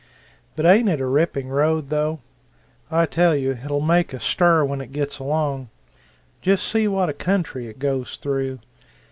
But ain't it a ripping road, though? I tell you, it'll make a stir when it gets along. Just see what a country it goes through.